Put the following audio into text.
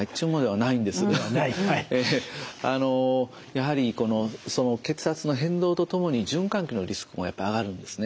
やはり血圧の変動とともに循環器のリスクも上がるんですね。